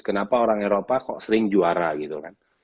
kenapa orang eropa kok sering juara gitu kan